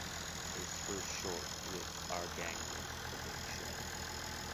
His first short with “Our Gang” was “The Big Show”.